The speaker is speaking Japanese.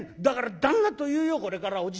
「だから旦那と言うよこれから。